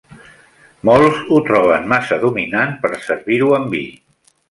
Molts o troben massa dominant per servir-ho amb vi.